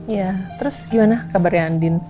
ya terus gimana kabarnya andin